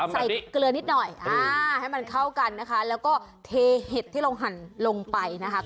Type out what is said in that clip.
เกลือนิดหน่อยอ่าให้มันเข้ากันนะคะแล้วก็เทเห็ดที่เราหั่นลงไปนะคะ